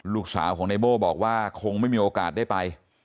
ลูกสาวของในโบ้บอกว่าคงไม่มีโอกาสได้ไป